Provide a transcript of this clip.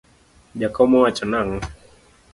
Jakom owacho nangó?